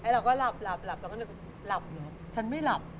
อ๋อหล่าวหล่าว